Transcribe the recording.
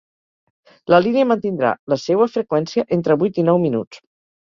La línia mantindrà la seua freqüència entre vuit i nou minuts.